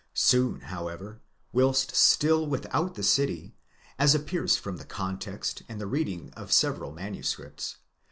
Soon, however, whilst still without the city—as appears from the context and the reading of several MSS.